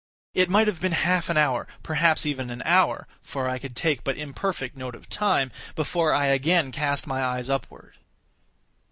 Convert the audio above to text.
It might have been half an hour, perhaps even an hour, (for I could take but imperfect note of time) before I again cast my eyes upward.